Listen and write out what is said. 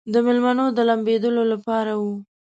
د مېلمنو د لامبېدلو لپاره و.